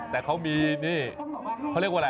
แต่เขามีนี่เขาเรียกว่าอะไร